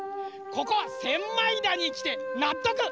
ここ千枚田にきてなっとく！